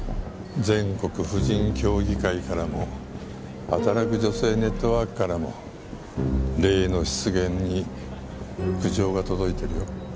全国婦人協議会からもはたらく女性ネットワークからも例の失言に苦情が届いてるよ。